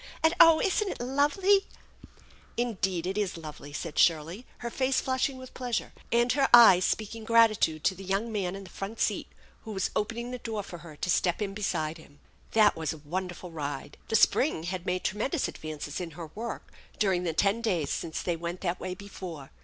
"And, oh, isn't it lovely ?"" Indeed it is lovely/ 7 said Shirley, her face flushing with pleasure and her eyes speaking gratitude to the young man in the front seat who was opening the door for her to step in beside him. That was a wonderful ride. The spring had made tremendous advances in her work during the ten days since they went that way before.